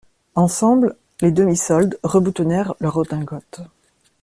Ensemble, les demi-soldes reboutonnèrent leurs redingotes.